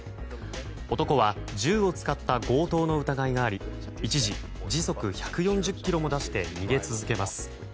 男は銃を使った強盗の疑いがあり一時、時速１４０キロも出して逃げ続けます。